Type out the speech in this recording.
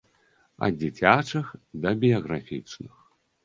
Ад дзіцячых да біяграфічных.